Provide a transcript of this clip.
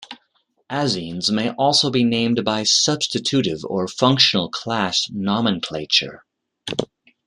Azines may also be named by substitutive or functional class nomenclature.